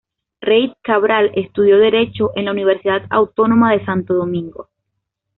Reid Cabral estudió Derecho en la Universidad Autónoma de Santo Domingo.